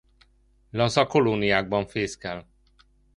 Laza kolóniákban fészkel.